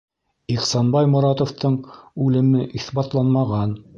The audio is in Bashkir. Ихсанбай Моратовтың үлеме иҫбатланмаған.